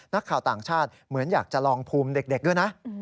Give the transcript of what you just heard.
นักข่าวต่างชาติเหมือนอยากจะลองภูมิเด็กด้วยนะ